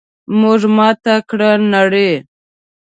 موږ ماته کړه نړۍ!